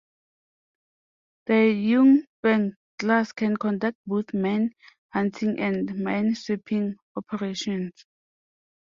The "Yung Feng" class can conduct both mine hunting and mine sweeping operations.